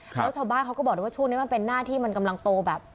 แล้วชาวบ้านเขาก็บอกได้ว่าช่วงนี้มันเป็นหน้าที่มันกำลังโตแบบ